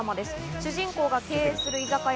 主人公が経営する居酒屋